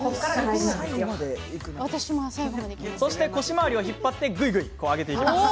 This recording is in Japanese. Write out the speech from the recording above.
そして、腰回りを引っ張ってぐいぐい上げていきます。